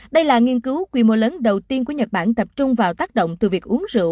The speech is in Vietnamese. đây là nghiên cứu quy mô lớn đầu tiên của nhật bản tập trung vào tác động từ việc uống rượu